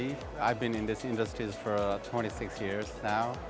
saya sudah berada di industri ini selama dua puluh enam tahun sekarang